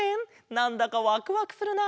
なんだかワクワクするな。